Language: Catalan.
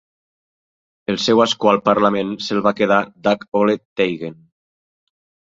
El seu ascó al parlament se'l va quedar Dag Ole Teigen.